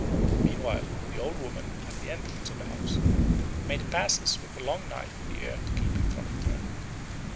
Meanwhile the old woman at the entrance of the house made passes with a long knife in the air to keep him from returning.